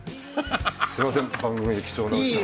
すいません番組で貴重なお時間。